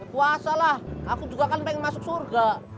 puasa lah aku juga kan pengen masuk surga